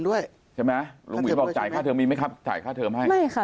ด้วยใช่ไหมลุงหวินบอกจ่ายค่าเทอมมีไหมครับจ่ายค่าเทอมให้ไม่ค่ะ